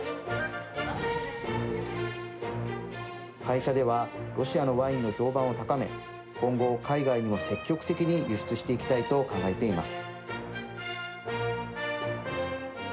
会社ではロシアのワインの評判を高め今後、海外にも積極的に輸出していきたいと考えています。